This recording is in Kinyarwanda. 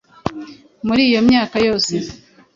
muri iyo myaka yose